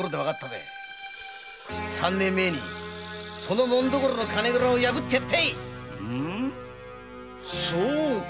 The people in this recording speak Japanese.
三年前その紋所の金蔵を破ってやったぞそうか。